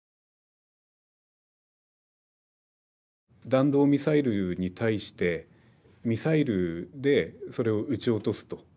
弾道ミサイルに対してミサイルでそれを撃ち落とすと。